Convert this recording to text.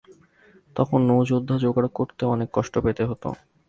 তখন নৌ-যোদ্ধা যোগাড় করতেও অনেক কষ্ট পেতে হত।